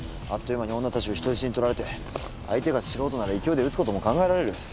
あっという間に女たちを人質に取られて相手が素人なら勢いで撃つことも考えられる。